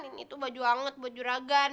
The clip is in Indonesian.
ini tuh baju anget buat juragan